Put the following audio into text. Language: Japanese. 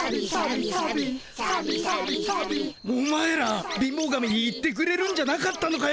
お前ら貧乏神に言ってくれるんじゃなかったのかよ。